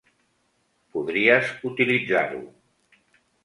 Podries utilitzar-ho.